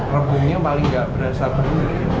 rebungnya paling gak berasa penuh